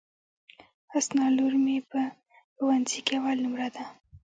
حسنی لور مي په ښوونځي کي اول نمبر ده.